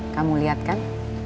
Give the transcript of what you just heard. kamu lihat kan